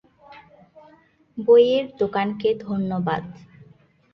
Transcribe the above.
বইয়ের দোকানকে ধন্যবাদ।